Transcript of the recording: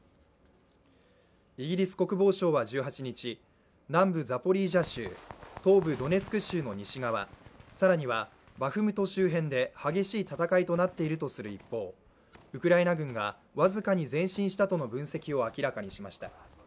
イギリス国防省は１８日、南部ザポリージャ州、東部ドネツク州の西側、更にはバフムト周辺で、激しい戦いとなっているとする一方、ウクライナ軍が僅かに前進したとの分析を明らかにしました。